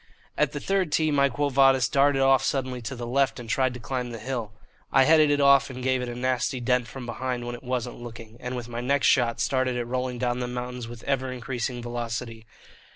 At the third tee my "Quo Vadis" darted off suddenly to the left and tried to climb the hill. I headed it off and gave it a nasty dent from behind when it wasn't looking, and with my next shot started it rolling down the mountains with ever increasing velocity.